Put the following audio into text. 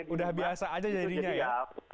udah biasa aja jadinya ya